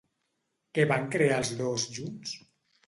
Què van crear els dos junts?